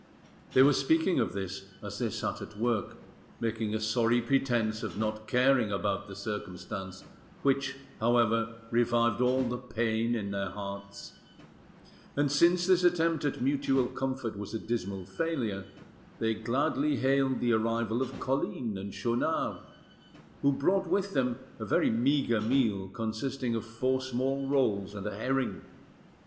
They were speaking of this as they sat at work, making a sorry pretence of not caring about the circumstance, which, however, revived all the pain in their hearts; and since this attempt at mutual comfort was a dismal failure, they gladly hailed the arrival of Colline and Schaunard, who brought with them a very meagre meal, consisting of four small rolls and a herring.